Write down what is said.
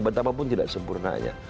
betapa pun tidak sempurnanya